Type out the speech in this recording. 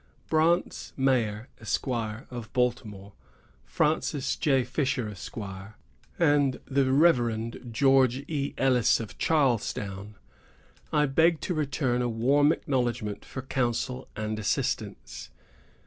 Brantz Mayer, Esq., of Baltimore, Francis J. Fisher, Esq., of Philadelphia, and Rev. George E. Ellis, of Charlestown, I beg to return a warm acknowledgment for counsel and assistance.